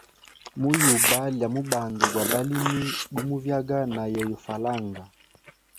Mu yuba lya mubandu gwa balimi, gu muvyaga na yeyo falanga.